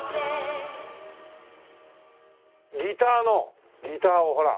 ギターのギターをほら。